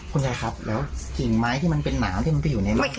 คุณยายครับแล้วกิ่งไม้ที่มันเป็นหนามที่มันไปอยู่ในแม่